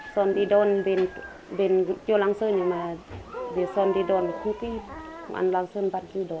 xôn đi đoàn bên bên vùng châu lăng sơn này mà về xôn đi đoàn không đi ăn lăng sơn bắt đi đó